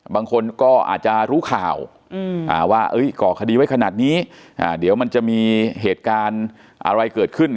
บางคนก็อาจจะรู้ข่าวว่าก่อคดีไว้ขนาดนี้เดี๋ยวมันจะมีเหตุการณ์อะไรเกิดขึ้น